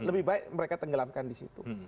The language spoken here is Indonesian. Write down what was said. lebih baik mereka tenggelamkan di situ